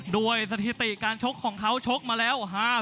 สถิติการชกของเขาชกมาแล้ว